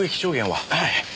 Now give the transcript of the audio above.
はい。